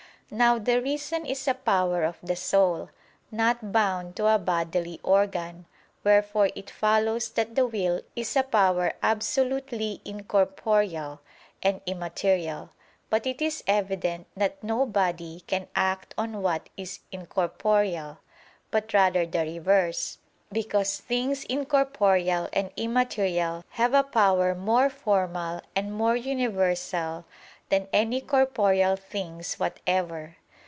Now the reason is a power of the soul, not bound to a bodily organ: wherefore it follows that the will is a power absolutely incorporeal and immaterial. But it is evident that no body can act on what is incorporeal, but rather the reverse: because things incorporeal and immaterial have a power more formal and more universal than any corporeal things whatever.